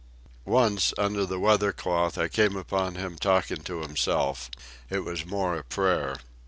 Once, under the weather cloth, I came upon him talking to himself. It was more a prayer.